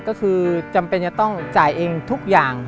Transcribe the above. ก็คือจำเป็นจะต้องจ่ายเองทุกอย่าง